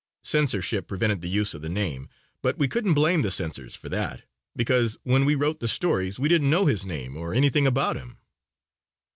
Censorship prevented the use of the name, but we couldn't blame the censors for that, because when we wrote the stories we didn't know his name or anything about him.